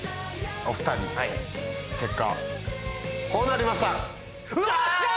お二人結果こうなりましたよっしゃ！